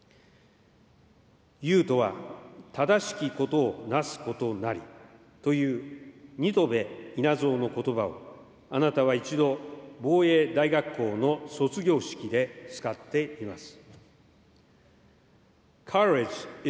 「勇とは義しき事をなすことなり」という新渡戸稲造のことばをあなたは一度、防衛大学校の卒業式で使っています。